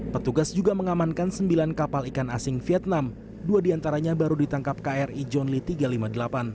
petugas juga mengamankan sembilan kapal ikan asing vietnam dua diantaranya baru ditangkap kri john lee tiga ratus lima puluh delapan